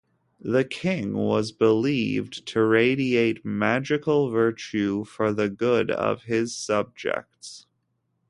The king was believed to radiate magical virtue for the good of his subjects.